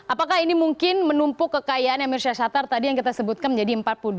apakah ini mungkin menumpuk kekayaan emir syahsatar tadi yang kita sebutkan menjadi empat puluh dua